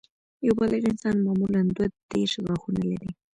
یو بالغ انسان معمولاً دوه دیرش غاښونه لري